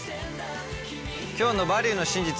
今日の「バリューの真実」